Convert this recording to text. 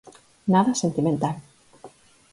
Nada sentimental!